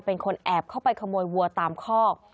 เป็นคนแอบเข้าไปขโมยวัวตามคอก